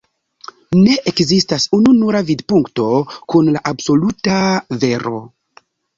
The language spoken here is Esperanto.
Ne ekzistas ununura vidpunkto kun la absoluta vero.